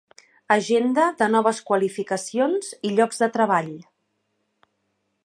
Agenda de noves qualificacions i llocs de treball.